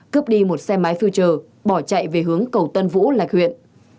cướp đi một xe máy future bỏ chạy về hướng cầu tân vũ lạc huyện